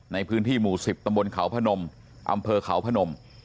ในพื้นที่หมู่๑๐ตำบลเขาพนมอำเภอเขาพนม